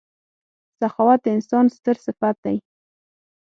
• سخاوت د انسان ستر صفت دی.